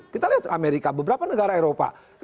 kita lihat amerika beberapa negara eropa